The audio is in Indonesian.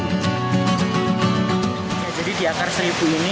jadi di akar seribu ini